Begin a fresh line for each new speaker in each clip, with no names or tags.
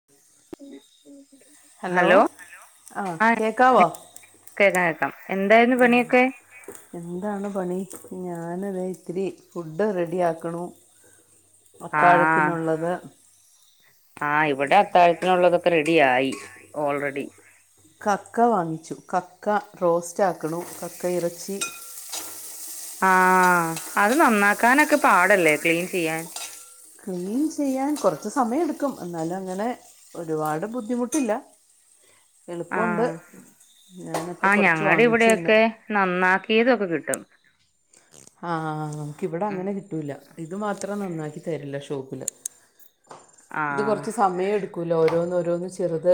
[unintelligible]
Hello ആഹ് കേക്കാവോ
കേക്കാം കേക്കാം എന്തായിരുന്നു പണിയൊക്കെ
എന്താണ് പണി ഞാന് തെ ഇത്തിരി ഫുഡ് റെഡി ആക്കണു.
ആഹ്
അത്താഴത്തിനുള്ളത്.
ആഹ് ഇവിടെ അത്താഴത്തിനുള്ളതൊക്കെ റെഡിയായി ഓൾറെഡി.
കക്ക വാങ്ങിച്ചു കക്ക റോസ്റ്റാക്ക്‌ണു കക്ക ഇറച്ചി
ആഹ് അത് നന്നാക്കാനൊക്കെ പാടല്ലേ ക്ലീൻ ചെയ്യാൻ
ക്ലീൻ ചെയ്യാൻ കുറച്ച് സമയം എടുക്കും എന്നാലും അങ്ങനെ ഒരുപാട് ബുദ്ധിമുട്ടില്ല. എളുപ്പുണ്ട്
ആഹ്
ഞാനപ്പൊ
ആഹ്
കൊറച്ച്
ഞങ്ങടെ
വാങ്ങിച്ചു ഇന്ന്.
ഇവിടെയൊക്കെ നന്നാക്കിയതൊക്കെ കിട്ടും.
ആഹ്
ഉം
നമക്കിവിടെങ്ങനെ കിട്ടൂല്ല ഇതു മാത്രം നന്നാക്കിതരില്ല ഷോപ്പില്. ഇത് കുറച്ച് സമയം എടുക്കൂലോ ഓരോന്നോരോന്ന് ചെറുത്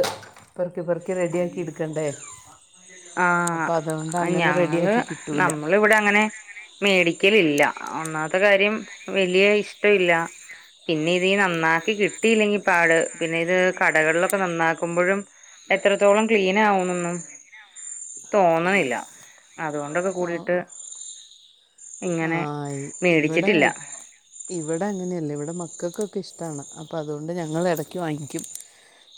പെറുക്കിപെറുക്കി റെഡിയാക്കി
ആഹ്
ഇടുക്കണ്ടേ
ആഹ് ഞങ്ങള്
റെഡിയാക്കി കിട്ടൂല
നമ്മൾ ഇവിടെ അങ്ങനെ മേടിക്കലില്ല ഒന്നാത്തെ കാര്യം വലിയ ഇഷ്ട ഇല്ല പിന്നെ ഇത് നന്നാക്കി കിട്ടിയില്ലെങ്കി പാട് പിന്നെ ഇത് കടകളിലൊക്കെ നന്നാക്കുമ്പോഴും എത്രത്തോളം ക്ലീൻ ആവുന്നുന്നു തോന്നണില്ല അതുകൊണ്ടൊക്കെ കൂടിയിട്ട്
ആഹ് ഇവിടെ
മേടിച്ചിട്ടില്ല
ഇവടെ അങ്ങനെയല്ല ഇവടെ മക്കൾക്കൊക്കെ ഇഷ്ട്ടാണ് അപ്പൊ അതുകൊണ്ട് ഞങ്ങൾ എടക്ക് വാങ്ങിക്കും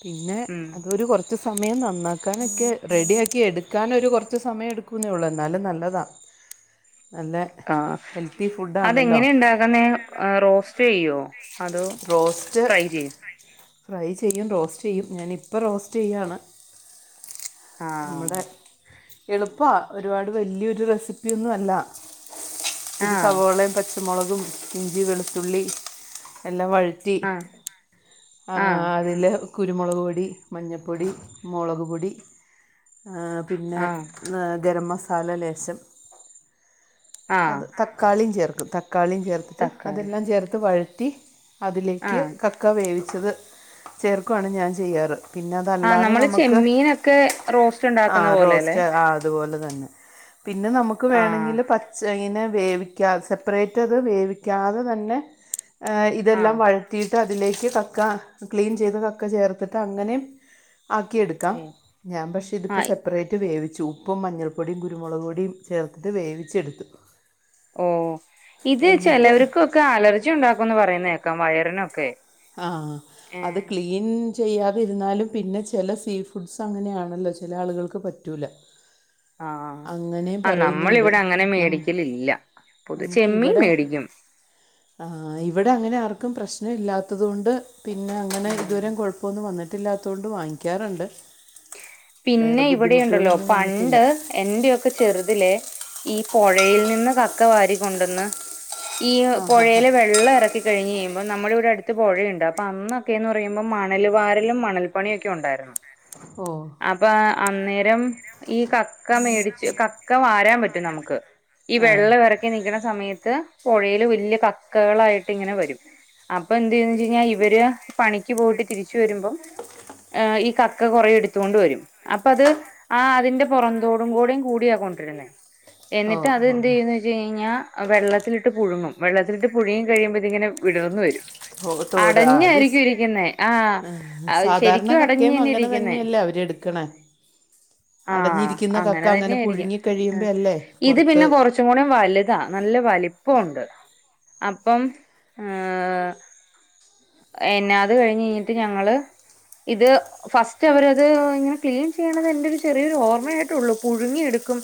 പിന്നെ
ഉം
അതൊരു കൊറ കുറച്ച് സമയം നന്നാക്കാനൊക്കെ റെഡിയാക്കി എടുക്കാനൊരു കുറച്ച് സമയം എടുക്കൂന്നേള്ളൂ എന്നാലും നല്ലതാ. അതെ
ആഹ് അതെങ്ങനെയുണ്ടാക്കുന്നെ റോസ്റ്റ് ചെയ്യോ. അതോ
റോസ്റ്റ്
ഫ്രൈ ചെയ്യോ
ഫ്രൈ ചെയ്യും റോസ്റ്റ് ചെയ്യും ഞാനിപ്പം റോസ്റ്റ് ചെയ്യാണ്.
ആഹ്
നമ്മുടെ എളുപ്പാ ഒരുപാട് വലിയൊരു റെസിപ്പിയൊന്നും അല്ല. ഇത്തിരി
ആഹ്
സവോളേം പച്ചമുളകും ഇഞ്ചി വെളുത്തുള്ളി എല്ലാം വഴ ത്തി
ആഹ്
ആഹ് അതില് കുരുമുളക് പൊടി മഞ്ഞപ്പൊടി മുളക്പൊടി ആ പിന്നെ
ആഹ്
ഗരം മസാല ലേശം
ആഹ്
അത് തക്കാളിയും ചേർക്കും തക്കാളിയും ചേർത്തിട്ട്
തക്കാളി
അതെല്ലാം ചേർത്ത് വഴറ്റി അതിലേക്ക്
ആഹ്
കക്ക വേവിച്ചത് ചേർക്കുവാണ് ഞാൻ ചെയ്യാറ്. പിന്നെ
ആഹ്
അതല്ലാതെ
നമ്മള്
നമുക്ക്
ചെമ്മീനൊക്കെ റോസ്റ്റ്
ആ
ഉണ്ടാക്കുന്ന പോലെയല്ലേ
റോസ്റ്റ് ആ തുപോലെതന്നെ പിന്നെ നമക്ക്
ആഹ്
വെണെങ്കില് പ മീനെ വേവിക്ക സെപ്പറേയ്റ്റ് അത് വേവിക്കാതെ തന്നെ ആഹ് ഇതെല്ലാം
ആഹ്
വഴ ത്തീട്ട് അതിലേക്ക് കക്ക ക്ലീൻ ചെയ്ത് കക്ക ചേർത്തിട്ട് അങ്ങനെയും ആക്കിയെടു ക്കാം ഞാൻ പക്ഷെ ഇതിപ്പോ
ആഹ്
സെ പ്പറേറ്റ് വേവിച്ചു ഉപ്പും മഞ്ഞൾപ്പൊടിയും കുരുമുളക്പൊടിം ചേർത്ത് വേവിച്ചെടുത്തു.
ഓ ഇത്
എന്നിട്ട്
ചെലവർക്കൊക്കെ അലർജി ഉണ്ടാക്കുംന്ന് പറയുന്നകേക്കാം വയറിനൊക്കെ
ആഹ അത്
ഏഹ്
ക്ലീ ൻ ചെയ്യാതിരുന്നാലും പിന്നെ ചില സീ ഫുഡ്സ് അങ്ങനെയാണല്ലോ ചില ആളുകൾക്ക് പറ്റൂല [unintelligible]
ആഹ്
അങ്ങനെയും
അ നമ്മൾ
പറയുന്നുണ്ട്
ഇവിടെ അങ്ങനെ
നമ്മൾ
മേടിക്കലില്ല. പൊതു ചെമ്മീൻ മേടിക്കും
ആഹ് ഇവിടെ അങ്ങനെ ആർക്കും പ്രശ്നം ഇല്ലാത്തതുകൊണ്ട് പിന്നെ അങ്ങനെ
ഉം
ഇതുവരെ കൊഴപ്പൊന്നും വന്നിട്ടില്ലാത്തൊണ്ട് വാങ്ങിക്കാറുണ്ട്. വേറെ
പിന്നെ ഇവിടെഉണ്ടല്ലോ
ബുദ്ധിമുട്ടുകളൊന്നും വന്നിട്ടില്ല
പണ്ട് എന്റെയൊക്കെ ചെറുതിലെ ഈ പൊഴയിൽ നിന്ന് കക്ക വാരി കൊണ്ടന്ന് ഈ
ആ ഹാ ഹാ
പൊഴയിലെ വെള്ളം എറക്കി കഴിഞ്ഞ് കഴുമ്പോ നമ്മുടെ ഇവിടെടുത്ത് പുഴയുണ്ട് അപ്പൊ അന്നൊക്കെന്ന് പറുമ്പോ മണൽ വാരലും മണൽണിയ ഒക്കെ ഉണ്ടായിരുന്നു
ഓ
അപ്പൊ അന്നേരം ഈ കക്ക മേടിച്ച് കക്ക വാരൻ പറ്റും നമുക്ക് ഈ
ആ
വെള്ള വിറക്കി നക്കണ സമയത്ത് പുഴയില് വലിയ കക്കകളായിട്ട് ഇങ്ങനെ വരും. അപ്പൊ എന്ത്ന് ചെയുന്നെച് കഴിഞ്ഞ ൽ ഇവര് പണിക്ക് പോയിട്ട് തിരിച്ച ച് വരുമ്പോ ഈ കക്ക കുറ എടുത്തൊണ്ട് വരും അ അത് ആ അതിന്റെ പുറന്തോടും കൂടെ കൂടിയൊണ്ടിുന്നേ
ഓ
എന്നിട്ട് അത്
ഓ
എന്ത് ചെയ്യന്ന് വെച്ച് കഴിഞ്ഞാൽ വെള്ളത്തിലിട്ട് പുയു ങ്ങും വെള്ളത്തിലട്ട് പുയുങ്ങി കഴിയുമ്പൾ ഇതിങ്ങനെ വിടർന്ന് വരും
ഓ തോട് ആ അത് സ്-
അടഞ്ഞായിരിക്കും ഇരിക്കുന്നേ ആഹ
ആ,
ശരിക്കും അടഞ്ഞ തന്നെ ഇരിക്കുന്നേ.
ക് ണ്
ആഹ അങ്ങനെ തന്നെയ ആയിരിക്കും
പുഴുങ്ങി കഴിയുമ്പോൾ അല്ലേ
ഇത്
പുറത്ത്
പിന്നെ കൊറച്ച് കുറച്ചും കൂടെ വലുതാ നല്ല വലിപ്പം ഉണ്ട് അപ്പം ഏ എന്നാത് കഴിഞ്ഞഞ് കഴിഞ്ഞിട്ട് ഞങ്ങള് ഇത് ഫസ്റ്റ് അവര് അത് ഇങ്ങനെ ക്ലീൻ ചെയ്യണത് എന്റെ ഒരു ചെറിയൊരു ഓർമ്മയായിട്ടുള്ളൂ പുഴുങ്ങിയ എടുക്കും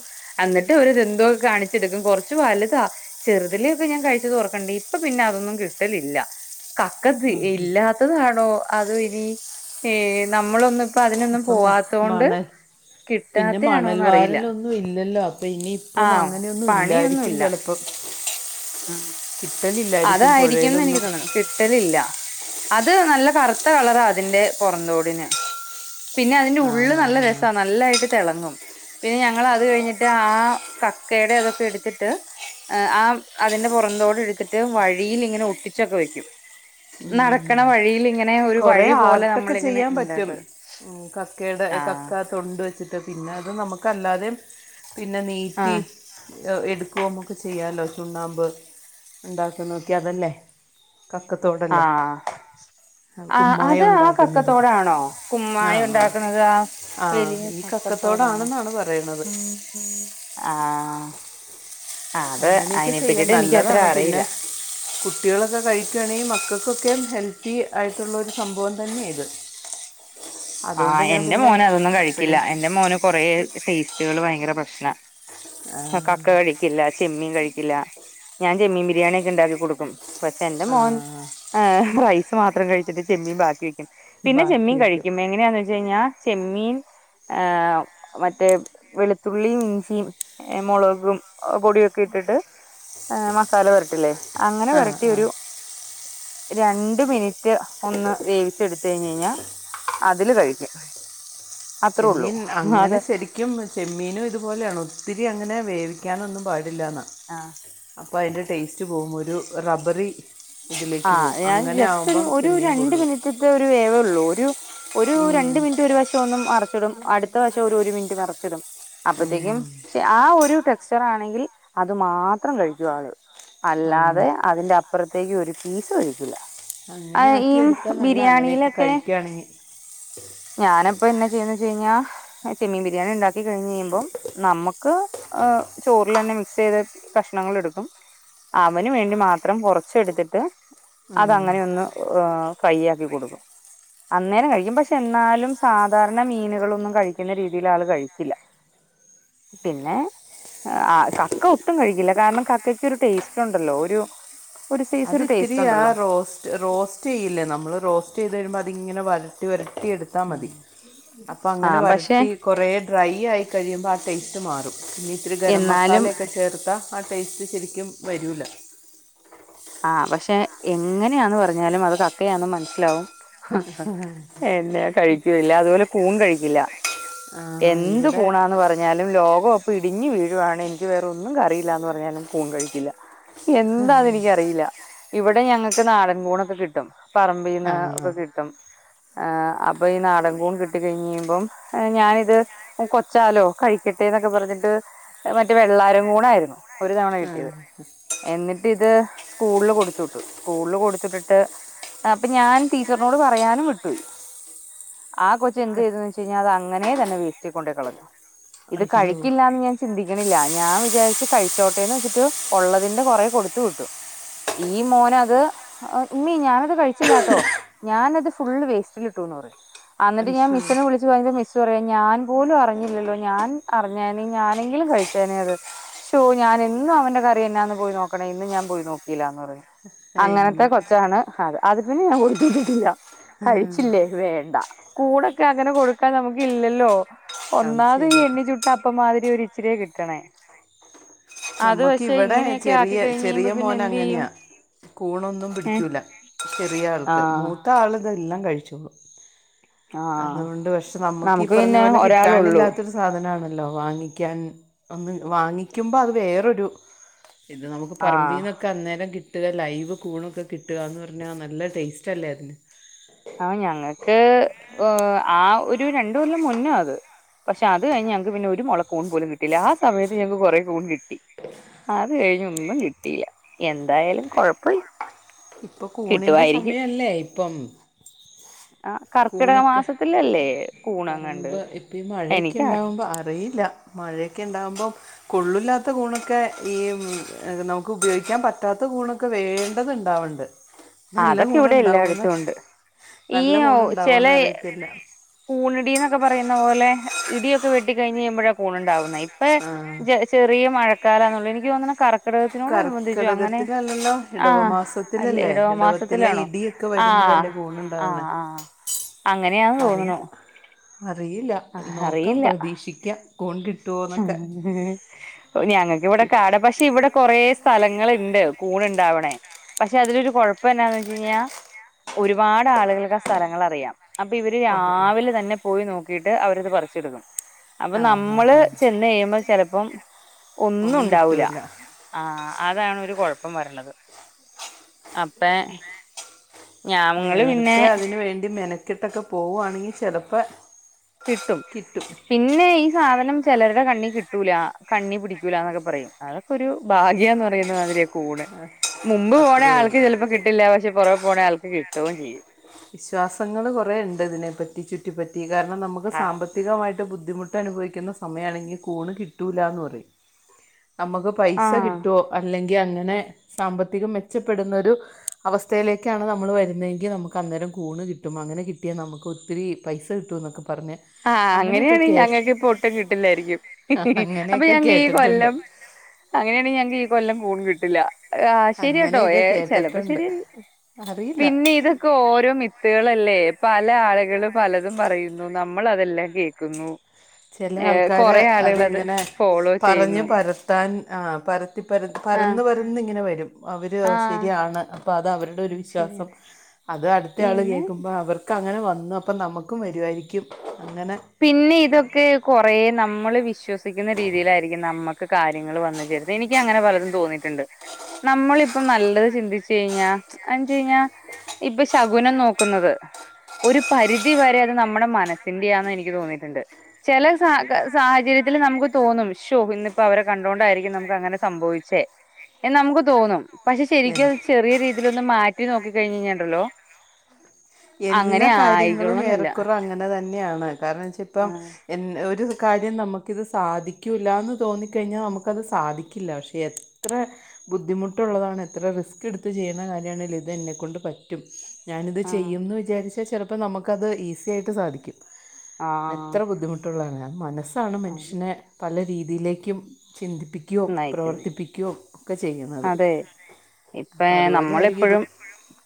എന്നിട്ട് അവര്തെന്തോക്കെ കാണിച്ചെടുക്കും കുറച്ച് വലുതാ ചെറുതലിയൊക്കെ ഞാൻ കഴിച്ച തോ ർക്കണ്ടേ ഇപ്പൊ പിന്നെ അതൊന്നും കിട്ടലില്ല കക്കത്ത് ഇല്ലാത്തതാണോ അതോ ഇനി ഏ നമ്മളൊന്ന് അപ്പൊ അതിനൊന്നും
ഇപ്പം മ-
പോവാത്ത കൊണ്ട്
മണൽ പിന്നെ മണൽ
കിട്ടാത്താണോന്ന അറിയില്ല.
വാരലൊന്നും ഇല്ലല്ലോ അപ്പൊ ഇനിയിപ്പം
ആഹ്
അങ്ങനെയൊന്നും ഇല്ലായിരിക്കും
പണിയൊന്നുല്ല
ചിലപ്പം.
ഉം
കിട്ടലില്ലായിരിക്കും
അതായിരിക്കുംന്ന് എനിക്ക്
പുഴയിലൊന്നും
തോന്നുന്നുകിട്ട- കിട്ടലില്ല അത് നല്ല കറുത്ത കളറാ അതിന്റെ പുറന്തോടിന് പിന്നെ അതിന്റെ
ആ
ഉള്ള്
ഹാ
നല്ല
ഹാ
രസമാണ് നല്ലായിട്ട് തിളങ്ങും. പിന്നെ ഞങ്ങ അത് കഴിഞ്ഞിട്ട് ആ കക്കയുടെ അതൊക്കെ എടുത്തിട്ട് ആ അതിന്റെ പുറന്തോടെ എടുത്തിട്ട് വഴിയിൽ ഇങ്ങനെ ഒട്ടിച്ചൊക്കെ വെക്കും. നടക്കണ വഴിൽ ഇങ്ങനെ ഒരു
കുറേ
വഴി പോലെ
ആർട്ടൊക്കെ
നമ്മളിങ്ങനെ
ചെയ്യാൻ പറ്റും
ഉണ്ടാക്കല്
കക്കയുടെ കക്ക തൊണ്ട് വെച്ചിട്ട് പിന്നെ അത് നമുക്കല്ലാതിം പിന്നെ നീറ്റി
ആഹ്
എടുക്കുവോ നക്കെ ചെയ്യാലോ ചുണ്ണാമ്പ് ഉണ്ടാക്കി നോക്കി അതല്ലേ ക
ആഹ ആ അത്
കുമ്മായം
ആ
ഉണ്ടാക്കുന്നത്
കക്കത്തോടാണോ കുമ്മായി ഉണ്ടാക്കുന്നത് ആ
ആഹ
വലിയ
ഈ
കക്കത്തോടാണോ
കക്കത്തോടാണെന്നാണ് പറയണുന്നത്
ആ ആ അത്
അങ്ങനെയൊക്കെ ചെയ്യാം
അയിെപ്പറ്റിട്ട് എനിക്ക അത്ര
നല്ലതാണ് പിന്നെ
അറിയില്ല
കുട്ടികളൊക്കെ കഴിക്കുകയാണെങ്കിൽ മക്കൾക്കൊക്കെ ഹെൽത്തി ആയിട്ടുള്ളരു സംഭവം തന്നെയ ഇത് അതുകൊണ്ട്
ആഹ്
ഞാൻ
എന്റെ
പിന്നെ
മോന് അതൊന്നും കഴിക്കില്ല
എപ്പോഴും
എന്റെ മോന് കൊറെ ടേസ്റ്റുകൾ ഭയങ്കര പ്രശ്ന കക്ക കഴിക്കില്ല ചെമ്മീൻ കഴിക്കില്ല ഞാൻ ചെമ്മീൻ ബിരിയാണിയ ഒക്കെ ഉണ്ടാക്കി കൊടുക്കും പക്ഷെ എന്റെ മോൻ ഹ് റൈസ് മാത്രം കഴിച്ചിട്ട് ചെമ്മീൻ ബാക്കി വെക്കും പിന്നെ
ബാക്കി
ചെമ്മീൻ
വയ്ക്കും
കഴിക്കും എങ്ങനെയാന്ന് വെച്ച്കഴിഞ്ഞാ ചെമ്മീൻ ആഹ മറ്റേ വെളുത്തുള്ളിയും ഇഞ്ചിയും ഏ മുളകും പൊടിയൊക്കെ ഇട്ടിട്ട് മസാല പെരത്തില്ലേ അങ്ങനെ
ആ
വരട്ടി
ആ
ഒരു രണ്ട് മിനിറ്റ് ഒന്ന് വേവിച്ചെടുത്തി തേഞ്ഞഞ് കഴിഞ്ഞ അതില് കഴിക്കും അത്രേ ഉള്ളൂ അത്
ഒരിക്കും ചെമ്മീനും ഇതുപോലെയാണ് ഒത്തിരി അങ്ങനെ വേവിക്കാനൊന്നും പാടില്ലാന്നാ
ആഹ്
അപ്പോൾ അതി്ന്റെ ടേസ്റ്റ് പോകുമ്പോ ഒരു റബ്ബറി ഇതിലേക്ക് പോകും അങ്ങനെ ആകുമ്പോൾ ചെമ്മീയും കൊള്ളും
റ്റ ഒരു വേവ ഉള്ളൂ ഒരു
ഉം,
രണ്ട് മിനിറ്റ് ഒരു വശം ഒന്നും ച്ചിടും അടുത്ത വശം ഒരു മിനറ്റ്മർ ച്ചടും
ഉം.
അപ്പോത്തേക്കും ആ ഒരു ടെക്സ്ചർ ആണെങ്കിൽ അത് മാത്രം കഴിക്കുകള്
അങ്ങനെ
അല്ലാതെ അതിന്റെ അ അപ്പറത്തേക്ക് ഒരു പീസ ഒഴിക്കൂല അ
അങ്ങനെ ആക്കി
ഈം
എടുത്താൽ നല്ല അങ്ങനെയൊക്കെ
ബിരിയാണിയിലൊക്കെ
കഴിക്കുകയാണെങ്കിൽ
ഞാനപ്പൊ എന്നാ ചെയ്ന്ന് വെച് കഴിഞ്ഞാ ചെമ്മീൻ ബിരിയാണിണ്ടാക്കി കഴിഞ്ഞ് കഴ്മ്പം. നമ്മക്ക് എഹ് ചോറിലെന്നെ മിക്സ്യ്ത് കഷ്ണങ്ങൾ എടുക്കും. അവന് വേണ്ടി മാത്രം കൊറച്ച് എട്ത്തിട്ട്. അത്
ഉം.
അങ്ങനെയൊന്ന് ഏഹ് ഫ്രൈ ആക്കി കൊടുക്കും. അന്നേരം കഴിക്കും പക്ഷേ എന്നാലും സാധാരണ മീനുകളൊന്നും കഴിക്കുന്ന രീതീല് ആള് കഴിക്കില്ല. പിന്നെ ആഹ് കക്ക ഒട്ടും കഴിക്കുല്ല കാരണം കക്കക്കൊരു ടേസ്റ്റ് ഉണ്ടല്ലോ ഒരു ഒരു സൈസ്
അത്
ഒരു ടേസ്റ്റ്
ഇത്തിരിയാ
ഉണ്ടല്ലോ
റോസ് റോസ്റ്റിയ്യില്ലേ നമ്മള് റോസ്റ്റ്യ്ത് കഴുമ്പോ അതിങ്ങനെ വരട്ടി വരട്ടി എടുക് ത്താമതി അപ്പോ
ആ
അങ്ങനെ
പക്ഷെ
വരട്ടി കുറേ ഡ്രൈ ആയി കഴിയുമ്പോ ആ ടേസ്റ്റ് മാറും. പിന്നെ ഇത്തിരി ഗരം
എന്നാലും
മസാലയൊക്കെ ചേർത്താ ആ ടേസ്റ്റ് ശെരിക്കും വരൂല്ല.
ആ പഷേ എങ്ങനെയാന്ന് പറഞ്ഞാലും അത് കക്കയാന്ന് മനസ്സിലാവും എന്നാ കഴിക്കൂല അതുപോലെ കൂൺ കഴിക്കില്ല. എന്ത്
ഇവിടെ
കൂണാന്ന് പറ ഞ്ഞാലും ലോകോക്കെ ഇടിഞ്ഞ് വീഴുവാണ് എനിക്ക് വേറെ ഒന്നും കറിയില്ലാന്ന്പറഞ്ഞാലും കൂൺ കഴിക്കില്ല. എന്താന്നെനിക്കറിയില്ല ഇവിടെ ഞങ്ങക്ക് നാടൻ കൂണൊക്കെ കിട്ടും
ആ
പറമ്പിന്ന് ഒക്കെ കി ട്ടും ആഹ് അപ്പ ഈ നാടൻകൂൺ കിട്ടി കഴിഞ്ഞഴിയുമ്പം ഏഹ് ഞാനിത് ഓ കൊച്ചാലോ കഴിക്കട്ടെന്നൊക്കെ പറഞ്ഞിട്ട് മറ്റേ വെള്ളാരം കൂണായിരുന്നു. ഒര് തവണ
ആ,
കിട്ടിയത് എന്നിട്ട് ഇത്. സ്കൂള്ൽ കൊടുത്തു വിട്ടു സ്കൂളിൽ കൊടുത്തിട്ടിട്ട്. അപ്പ ഞാൻ ടീച്ചറ്നോട് പറയാനും വിട്ട്പോയി. ആ കൊച്ച് എന്തു
ഒക്കെ.
ചെയ്തെന്നേച്ചുകഴിഞ്ഞാ അത് അങ്ങനെ തന്നെ വേസ്റ്റിൽ കൊണ്ടേ കളഞ്ഞു. ഇത്
അയ്യോ
കഴിക്കില്ലാന്ന് ഞാൻ ചിന്തിക്ക്ണില്ല ഞാൻ വിചാരിച്ചു കഴിച്ചോട്ടേന്ന് വെച്ചിട്ട് ഒള്ളതിന്റെ കൊറെ കൊടുത്ത് വിട്ടു. ഈ മോനത് ആഹ് ഉമ്മീ ഞാനത് കഴിച്ചില്ലാട്ടോ. ഞാനത് ഫുള് വേസ്റ്റിലിട്ടൂന്ന് പറയും അന്ന്ട്ട് ഞാൻ
അയ്യോ
മിസിനെ വിളിച് [inaudible] അവന്റെ മിസ്സ് പറയാ ഞാൻപോലും അറിഞ്ഞില്ലല്ലോ ഞാൻ അറിഞ്ഞാരുന്നെങ്കി ഞാനെങ്കിലും കഴിച്ചേനേ അത്. ശ്ശോ ഞാനെന്നും അവന്റെ കറി എന്നാന്ന് പോയി നോക്കണേ ഇന്ന് ഞാൻ പോയ് നോക്കിലന്ന് പറയും. അങ്ങനത്തെ
അയ്യോ
കൊച്ചാണ് അത്. അത്പിന്നെ ഞാൻ കൊടുത്ത് വിട്ടിട്ടില്ല.
ആ,
കഴിച്ചില്ലേ വേണ്ട കൂണോക്കെ അങ്ങനെ കൊടുക്കാൻ നമ്മക്ക് ഇല്ലല്ലോ.
അത്
ഒന്നാമത് ഈ
ശരിയാ
എണ്ണ ചുട്ട അപ്പമാതിരി ഒര് ഇച്ചിരിയ കിട്ടണേ അത്
നമുക്ക്
പഷേ
ഇവിടെ
ഇങ്ങനെയൊക്കെ ആക്കി
ചെറിയ
കഴിഞ്ഞ്
ചെറിയ
കഴിയുമ്പോ. പിന്നെ
മോൻ
എന്ത് ചെയ്യും
അങ്ങനെയാ കൂണോന്നും
ഏ
പിടിക്കൂല
ആ
ചെറിയാൾക്ക് മൂ ത്താള്തെല്ലാം കഴിച്ചോളും.
ആ
അതോണ്ട് പഷേ നമ്മക്ക് ഈ
നമുക്ക്
പറഞ്ഞ
പിന്നെ
പോലെ
ഒരാളുള്ളൂ
കിട്ടാനില്ലാത്തൊരു സാധനണല്ലോ വാങ്ങിക്കാൻ ഒന്ന് വാങ്ങിക്കുമ്പോ അത് വേറൊരു ഇത് നമുക്ക്
ആ
പറമ്പീന്ന് ക്കന്നെരം കിട്ടുക ലൈവ് കൂണൊക്കെ കിട്ടുകാന്ന് പറഞ്ഞാൽ നല്ല ടേസ്റ്റ് അല്ലേ അതിന്.
ആഹ് ഞങ്ങക്ക് ഏഹ് ആഹ് ഒര് രണ്ടു കൊല്ലം മുന്നാ അത്. പക്ഷേ അത് കഴിഞ്ഞ് ഞങ്ങക്ക് പിന്നെ ഒരു മൊള കൂൺ പോലും കിട്ടില്ല. ആ സമയത്ത് ഞങ്ങക്ക് കൊറെ കൂൺ കിട്ടി. അത് കഴിഞ്ഞ് ഒന്നും കിട്ടില്യ എന്തായാലും കൊഴപ്പല്യാ
ഇപ്പൊ കൂണിന്റെ സമയംല്ലേ ഇപ്പം.
ആ കർക്കിടക
കൂണൊക്കെ
മാസത്തിലല്ലേ കൂണങ്ങണ്ട്
പറമ്പ് ഇപ്പിമഴയൊക്കെ
എനിക്കാ
ഇണ്ടാവുമ്പോ അറിയില്ല. മഴേക്കേ ഇണ്ടാവുമ്പോ. കൊള്ളില്ലാത്ത കൂണൊക്കെ, ഈ നമുക്ക് ഉപയോഗിക്കാൻ പറ്റാത്ത കൂണൊക്കെ വേണ്ടത് ഇണ്ടാവ്ണ്ട്. നല്ല
അതൊക്കെ
കൂണ്
ഇവിടെ
ഉണ്ടാവൂന്നാ
എല്ലായിടത്തും ഉണ്ട് ഈ
നല്ല കൂണ്
ചില
ഉണ്ടാവോന്ന് അറിയത്തില്ല.
കൂണിടിന്നൊക്കെ പറയുന്ന പോലെ ഇടിയൊക്കെ വെട്ടി കഴിഞ്ഞ് കഴിയുമ്പയ കൂൺണ്ടാവുന്നേ. ഇപ്പൊ
ആ
ചെറിയ മഴക്കാലാന്നൊള്ളു എനിക്ക് തോന്ന്ണ് കർക്കിടകത്തിനോട് അനുബന്ധിച്ച് അങ്ങനെ.
കർക്കിടകത്തിലല്ലല്ലോ ഇടവ
ആഹ് അല്ല
മാസത്തിലല്ലേ
ഇടവ
ഇടവത്തിലെ
മാസത്തിലാണോ
ഇടിയൊക്കെ
ആഹ്
വരുമ്പോഴല്ലേ കൂണുണ്ടാവണേ
ആഹ് ആഹ് അങ്ങനെയാന്ന് തോന്നുണു
അറിയില്ല. അറിയില്ല നോക്കാം
അറിയില്ല
പ്രതീക്ഷിക്കാം കോണ്കിട്ടോന്നൊക്കെ
ഞങ്ങക്ക് വിടെ കാട ഭക്ഷ ഇവിടെ കൊറെേ സ്ഥലങ്ങളുണ്ട്. കൂൺ ഉണ്ടാവണേ പക്ഷെ അതിലൊരു കുഴപ്പം എന്താന്ന് വെച്ച കഴിഞ്ഞാ. ഒരുപാട് ആളുകൾക്ക് ആ സ്ഥലങ്ങൾ അറിയാം അപ്പൊ ഇവര്
ഓ ഓ
രാവിലെ തന്നെ പോയി നോക്കിട്ട് അവരത് പറിച്ചെടുക്കും അപ്പൊ
ആ ഹാ
നമ്മള്
ഹാ
ചെന്ന് കഴിയുമ്പോൾ ചെലപ്പം ഒന്നും ഉണ്ടാവൂല. ആഹ അതാണ് ഒരു കുഴപ്പം വരണത് അപ്പേ
നേരത്തെ അതിൻ വേണ്ടി മെനക്കിട്ടൊക്കെ പോവാണെങ്കിൽ ചിലപ്പ
കിട്ടും. പിന്നെ ഈ സാധനം ചെലരുടെ കണ്ണി കിട്ടൂല. കണ്ണി പിടിക്കൂല എന്നൊക്കെ പറയും. അതൊക്കെ ഒരു ഭാഗ്യ എന്ന് പറയുന്ന മാതിരിയ കൂണ്
ആ,
മുമ്പ് പോണ
അത്രയേ ഉള്ളൂ
ആൾക്ക് ചിലപ്പോ കിട്ടില്ല. പക്ഷെ പുറവെ പോണ ആൾക്ക് കിട്ടുകയും ചെയ്യും.
വിശ്വാസങ്ങൾ കുറെ ഉണ്ട് ഇതിനെപ്പറ്റി ചുറ്റിപ്പറ്റി കാരണം നമുക്ക് സാമ്പത്തികമായിട്ട് ബുദ്ധിമുട്ട് അനുഭവിക്കുന്ന സമയയാണെങ്കിൽ കൂണ് കിട്ടൂല്ല എന്ന് പറയും ഞമ്മക്ക് പൈസ
ആ
കിട്ടോ അല്ലെങ്കി യ അങ്ങനെ സാമ്പത്തികം മെച്ചപ്പെടുന്നൊ രു അവസ്ഥയിലേക്കാണ് നമ്മൾ വരുന്നതങ്കിൽ നമുക്ക് നമുക്ക് അന്നേരം കൂണ് കിട്ടും. അങ്ങനെ കിട്ടിയാൽ നമുക്ക് ഒത്തിരിപൈസ കിട്ടുന്നൊക്കെ പറഞ്ഞ്
ആഹ്
അങ്ങനെയൊക്കെ
അങ്ങനെയണെകി
കേ
ഞങ്ങൾക്ക് ഇപ്പൊ ഒട്ടും കിട്ടില്ലായിരിക്കും. അപ്പൊ
അങ്ങനെയൊക്കെ
ഞങ്ങക്ക് ഈ
കേട്ടിട്ടുണ്ട്
കൊല്ലം അങ്ങനെയാണെകി ഞങ്ങക്ക് ഈ കൊല്ലം കൂൺ കിട്ടില്ല. ആഹ് ശരിയാട്ടോ.
അങ്ങനെയൊക്കെ
ഏ ചെലപ്പോ
കേട്ടിട്ടുണ്ട്
ശരിയ
അറിയില്ല
പിന്നെ ഇത് ഇപ്പൊ ഓരോ മിത്തൾല്ലേ. പല ആളുകൾ പലതും പറയുന്നു നമ നമ്മൾതെല്ലാം കേൾക്കുന്നു.
ചില
ഏ കൊറ
ആൾക്കാര്
ആളുകളത് ഫോളോ ചെയ്യുന്നു.
താൻ ആഹ് പര
ആഹ്
പരന്ന് പരന്നിങ്ങനെ വരും. അവര്
ആഹ്
ശരിയാണ് അപ്പം അത് അവരുടെ ഒരു വിശ്വാസം
ശരിയാണ്
അത് അടുത്ത ആള്
പിന്നെ
കേക്കുമ്പോ അവർക്ക് അങ്ങനെ വന്നു, അപ്പം നമുക്കും വരുവായിരിക്കും അങ്ങനെ
പിന്നെ ഇതൊക്കെ കൊറ നമ്മള് വിശ്വസിക്കുന്ന രീതിയിലായിരിക്കും നമ്മ ക കാര്യങ്ങൾ വന്നു ചേർന്ന് എനിക്ക് അങ്ങനെ പലതും തോന്നിയിട്ടുണ്ട്. നമ്മളിപ്പം നല്ലത് ചിന്തിച്ച കഴിഞ്ഞാ എച ഴിഞ്ഞാ ഇപ്പൊ ശകുനം നോക്കുന്നത് ഒരു പരി രിതി വരെ അത് നമ്മുടെ മനസ്സിന്റെയാന്ന് എനിക്ക് തോന്നിട്ടുണ്ട് ചില സ സാഹചര്യത്തിൽ നമുക്ക് തോന്നും ഷോ ഇന്നിപ്പോ അവരെ കണ്ടോണ്ടായിരിക്കും നമുക്ക് അങ്ങനെ സംഭവിച്ചേ. എന്ന് നമുക്ക് തോന്നും. പക്ഷെ ശരിക്കും
എ-
ചെറിയ രീതിയിലൊന്ന് മാറ്റി നോക്കി കഴിഞ്ഞാലുണ്ടല്ലോ [inaudible]
എല്ലാ കാര്യങ്ങളും ഏറെക്കുറ അങ്ങനെ തന്നെയാണ്. കാരണം വെച്ച ഇപ്പം എ ഒരു കാര്യം നമുക്കിത് സാധിക്യുല്ല്യന്ന് തോന്നിക്കഴിഞ്ഞാൽ നമുക്കത് സാധിക്കില്ല ക്ഷേ അത് ത്ര ബുദ്ധിമുട്ടുള്ളതാണ് എത്ര റിസ്ക് ടുത്ത് ചെയ്യുന്ന കാര്യമാണെങ്കിലും ഇത് എന്നെക്കണ്ട് പറ്റും ഞാനിത് ചെ
ആഹ്
ചെയ്യുംന്ന് വിചാരിച്ചാൽ ചിലപ്പോ നമുക്കത് ഈസി ആയിട്ട് സാധിക്കും.
ആഹ്
എത്ര ബുദ്ധിമുട്ട് ള്ളണ് മനസ്സാണ്
ആഹ്
മനുഷ്യനെ പല രീതിയിലേക്കും ചിന്തിപ്പിക്കു യോം
നയിക്കുന്നു
പ്രവർത്തിപ്പിക്കൊയോ ചെയ്യുന്നത് അതെ
ഇപ്പ നമ്മള എപ്പോഴും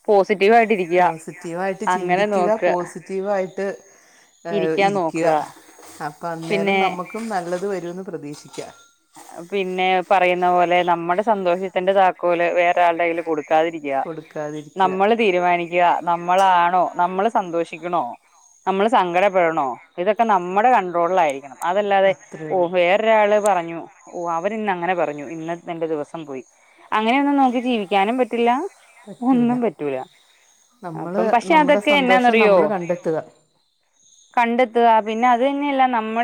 പോസിറ്റീവ് ആയിട്ടരിക.
റ്റീവായിട്ട് ചിന്തിക്കുക പോസിറ്റീവായിട്ട് ആ
ഇരിക്കാൻ
ഇരിക്കുക.
നോക്കുക
അപ്പം അന്നേരം
പിന്നെ
നമുക്കും നല്ലത് വരുമെന്ന് പ്രതീക്ഷിക്കാം.
പിന്നെ പറയുന്ന പോലെ നമ്മുടെ സന്തോഷത്തിന്റെ താക്കോല് വേറെ ആര്ടെ കയ്ൽ കൊട് തിരിക,
കൊടുക്കാതിരിക്കുക
നമ്മൾ തീരുമാനിക്കാ നമ്മളാണോ നമ്മൾ സന്തോഷിക്കണോ നമ്മൾ സങ്കടപ്പെടണോ, ഇതൊക്കെ നമ്മുടെ കൺണ്ട്രോളിലയിരിക്കണം. അതല്ലാതെ
അത്രേ
ഓ
ഉള്ളൂ
വേറൊരാള് പറഞ്ഞു ഓ അവരി ഇന്ന് അങ്ങനെ പറഞ്ഞു. ഇന്ന് എന്റെ ദിവസം പോയി അങ്ങനെയൊന്നും നോക്കി ജീവിക്കാനും പറ്റില്ല ഒന്നും പറ്റൂല.
നമ്മൾ
അപ്പം പക്ഷെ
നമ്മുടെ
അതൊക്കെ
സന്തോഷം
എന്നാന്ന്റിയോ
നമ്മൾ കണ്ടെത്തുക
കണ്ടെത്തുക പിന്നെ അത് തന്നെയല്ല നമ്മൾ